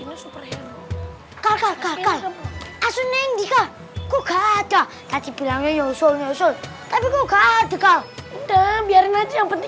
aslinya juga kagak kasi bilangnya yosol yosol tapi kok ada kak udah biarin aja yang penting